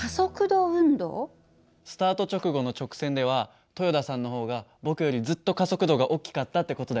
スタート直後の直線では豊田さんの方が僕よりずっと加速度が大きかったって事だよね。